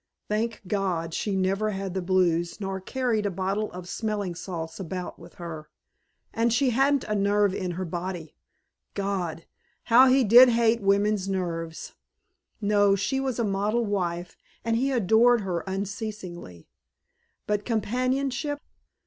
Thank God, she never had the blues nor carried a bottle of smelling salts about with her. And she hadn't a nerve in her body! God! How he did hate women's nerves. No, she was a model wife and he adored her unceasingly. But companionship?